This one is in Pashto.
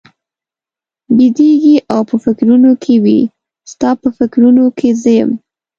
بېدېږي او په فکرونو کې وي، ستا په فکرونو کې زه یم؟